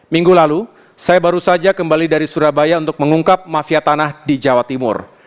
minggu lalu saya baru saja kembali dari surabaya untuk mengungkap mafia tanah di jawa timur